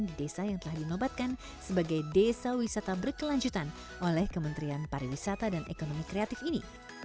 di desa yang telah dinobatkan sebagai desa wisata berkelanjutan oleh kementerian pariwisata dan ekonomi kreatif ini